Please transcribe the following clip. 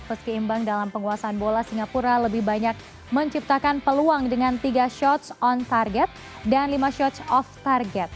meski imbang dalam penguasaan bola singapura lebih banyak menciptakan peluang dengan tiga shots on target dan lima shotch off target